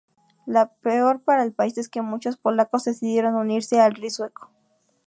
Lo peor para el país es que muchos polacos decidieron unirse al rey sueco.